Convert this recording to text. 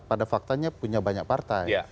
pada faktanya punya banyak partai